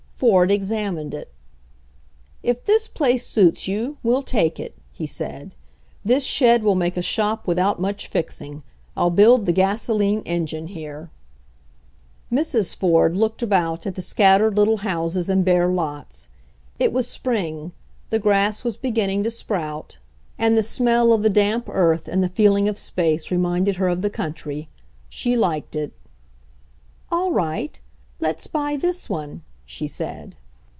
Ford examined it. If this place suits you, we'll take it," he said. This shed will make a shop without much fix ing. I'll build the gasoline engine here." Mrs. Ford looked about at the scattered little houses and bare lots. It was spring; the grass was beginning to sprout, and the smell of the LEARNING ABOUT ELECTRICITY 73 damp earth and the feeling of space reminded her of the country. She liked it. "All right, let's buy this one/' she said.